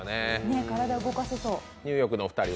体動かせそう。